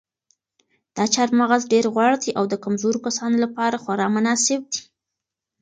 دا چهارمغز ډېر غوړ دي او د کمزورو کسانو لپاره خورا مناسب دي.